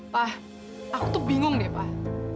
pak aku tuh bingung nih pak